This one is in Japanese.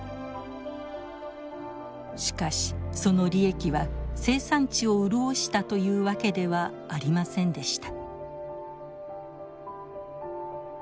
しかしその利益は生産地を潤したというわけではありませんでした。